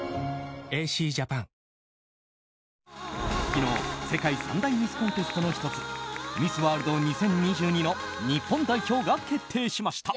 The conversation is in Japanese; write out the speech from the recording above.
昨日世界三大ミスコンテストの１つミス・ワールド２０２２の日本代表が決定しました。